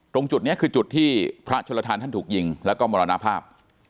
ตรงจุดนี้คือจุดที่พระชนลทานท่านถูกยิงแล้วก็มรณภาพ